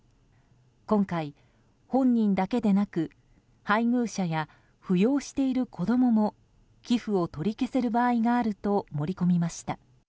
今回、本人だけでなく配偶者や扶養している子供も寄付を取り消せる場合があると盛り込みました。